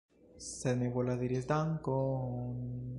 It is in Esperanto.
♫ Sed mi volas diri dankon ♫